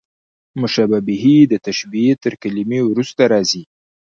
مشبه به، د تشبېه تر کلمې وروسته راځي.